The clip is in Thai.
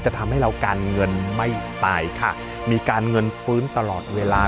ทำให้เราการเงินไม่ตายค่ะมีการเงินฟื้นตลอดเวลา